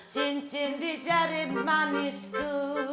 cincin di jari manisku